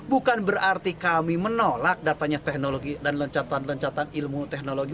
bukan berarti kami menolak datanya teknologi dan lencatan lencatan ilmu teknologi